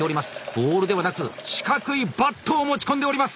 ボウルではなく四角いバットを持ち込んでおります。